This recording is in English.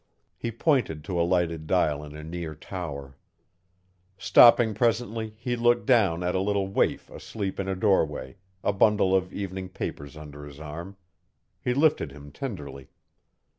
He pointed to a lighted dial in a near tower. Stopping presently he looked down at a little waif asleep in a doorway, a bundle of evening papers under his arm. He lifted him tenderly.